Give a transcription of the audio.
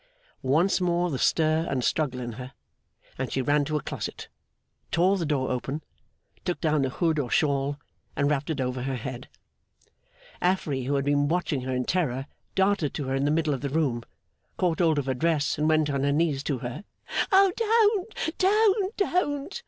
Once more the stir and struggle in her, and she ran to a closet, tore the door open, took down a hood or shawl, and wrapped it over her head. Affery, who had watched her in terror, darted to her in the middle of the room, caught hold of her dress, and went on her knees to her. 'Don't, don't, don't!